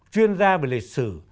chuyên gia về lịch sử